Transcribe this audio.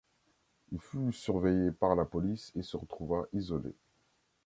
Il fut surveillé par la police et se retrouva isolé.